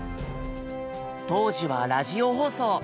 当時はラジオ放送。